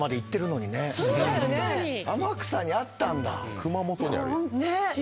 熊本にあるやん。